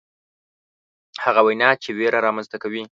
هغه وینا چې ویره رامنځته کوي.